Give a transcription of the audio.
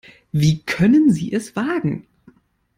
Wie können Sie es wagen?